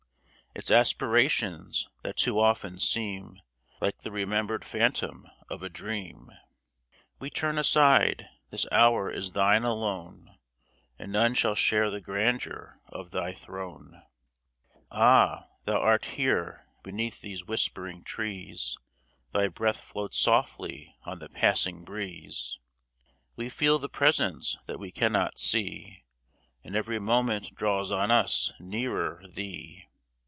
Its aspirations, that too often seem Like the remembered phantoms of a dream, We turn aside. This hour is thine alone, And none shall share the grandeur of thy throne. Ah ! thou art here ! Beneath these whispering trees Thy breath floats softly on the passing breeze ; We feel the presence that we cannot see, And every moment draws us nearer thee.